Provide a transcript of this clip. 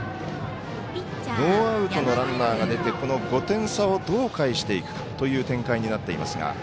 ノーアウトのランナーが出てこの５点差をどう返していくかという展開になっていますが。